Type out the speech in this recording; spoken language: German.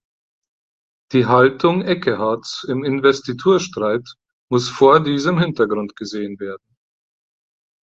Die Haltung Ekkehards im Investiturstreit muss vor diesem Hintergrund gesehen werden.